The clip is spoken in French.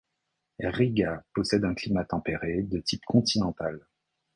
Riga possède un climat tempéré de type continental.